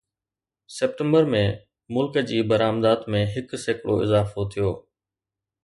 September ۾، ملڪ جي برآمدات ۾ هڪ سيڪڙو اضافو ٿيو